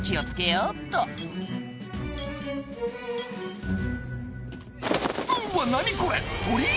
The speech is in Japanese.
「うわ何これ！鳥？」